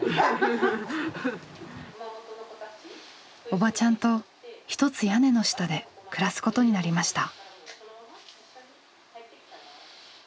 おばちゃんと一つ屋根の下で暮らすことになりました。